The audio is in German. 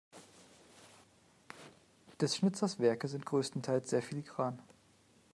Des Schnitzers Werke sind größtenteils sehr filigran.